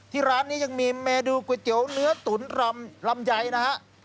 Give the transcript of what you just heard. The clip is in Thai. ที่ร้านนี้ยังมีเมดูก๋วยเตี๋ยวเนื้อตุ๋นรำรำใหญ่นะฮะ